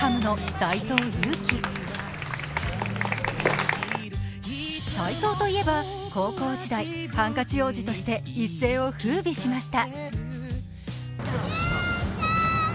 斎藤といえば高校時代、ハンカチ王子として一世をふうびしました。